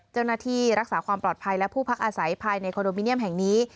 เจ้าหน้าที่รักษาความปลอดภัยและผู้พักอาศัยภายในคอนโดมิเนียมแห่งนี้